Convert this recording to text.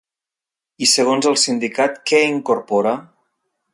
I segons el sindicat, què incorpora?